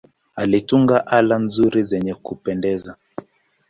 Alitunga ala nzuri zenye kupendeza.